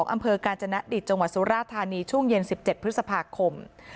อำเภอกาญจนดิตจังหวัดสุราธานีช่วงเย็น๑๗พฤษภาคม